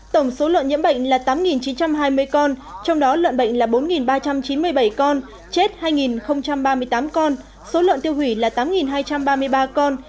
tổng số lợn nhiễm bệnh là tám chín trăm hai mươi con trong đó lợn bệnh là bốn ba trăm chín mươi bảy con chết hai ba mươi tám con số lợn tiêu hủy là tám hai trăm ba mươi ba con